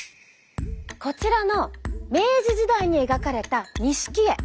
こちらの明治時代に描かれた錦絵。